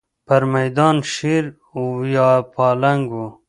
پر مېدان شېر و یا پلنګ و.